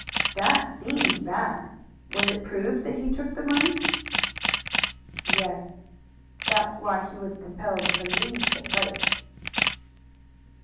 "That seems bad. Was it proved that he took the money?" "Yes. That's why he was compelled to leave the place."